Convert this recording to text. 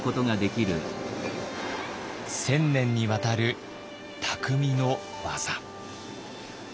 １，０００年にわたる匠の技。